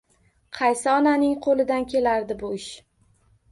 Qaysi onaning qo'lidan kelardi bu ish?!